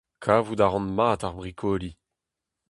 Kavout a ran mat ar brikoli !